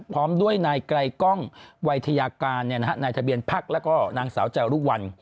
พร้อมด้วยนายไกรกล้องวัยทยาการนายทะเบียนพักแล้วก็นางสาวจารุวัล